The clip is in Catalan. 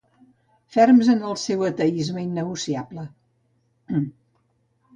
Ferms en el seu ateisme innegociable.